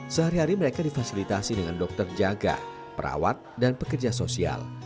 sehari hari mereka difasilitasi dengan dokter jaga perawat dan pekerja sosial